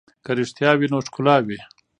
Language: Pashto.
که رښتیا وي نو ښکلا وي.